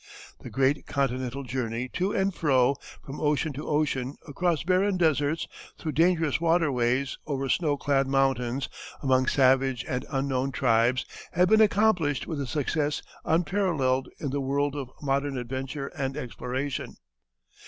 The great continental journey to and fro, from ocean to ocean, across barren deserts, through dangerous waterways, over snow clad mountains, among savage and unknown tribes, had been accomplished with a success unparalleled in the world of modern adventure and exploration.